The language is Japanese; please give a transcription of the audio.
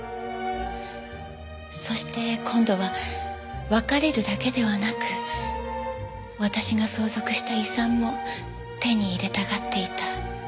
そして今度は別れるだけではなく私が相続した遺産も手に入れたがっていた。